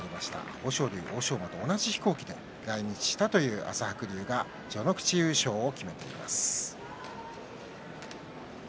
豊昇龍、欧勝馬と同じ飛行機で来日した朝白龍が序ノ口優勝を決めました。